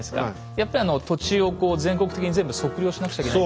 やっぱり土地をこう全国的に全部測量しなくちゃいけない。